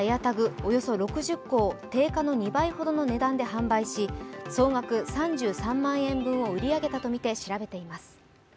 およそ６０個を定価の２倍ほどの値段で販売し総額３３万円分を売り上げたとみて調べています。